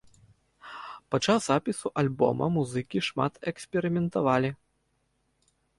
Падчас запісу альбома музыкі шмат эксперыментавалі.